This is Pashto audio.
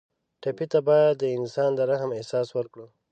ټپي ته باید د انسان د رحم احساس ورکړو.